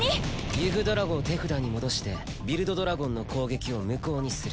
ユグドラゴを手札に戻してビルド・ドラゴンの攻撃を無効にする。